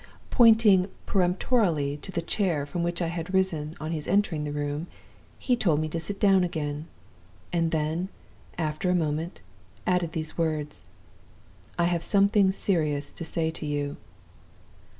Pointing peremptorily to the chair from which I had risen on his entering the room, he told me to sit down again; and then, after a moment, added these words: 'I have something serious to say to you.